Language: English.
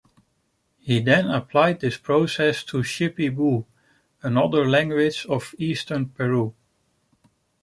He then applied the process to Shipibo, another language of Eastern Peru.